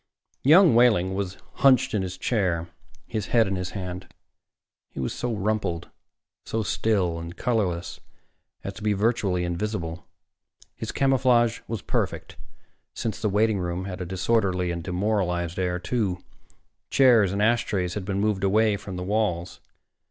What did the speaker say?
Young Wehling was hunched in his chair, his head in his hand. He was so rumpled, so still and colorless as to be virtually invisible. His camouflage was perfect, since the waiting room had a disorderly and demoralized air, too. Chairs and ashtrays had been moved away from the walls.